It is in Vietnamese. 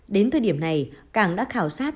đến thời điểm này cảng đã khảo sát